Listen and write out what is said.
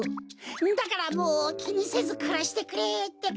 だからもうきにせずくらしてくれってか。